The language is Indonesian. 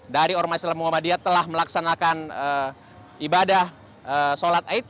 dari ormas islam muhammadiyah telah melaksanakan ibadah sholat aid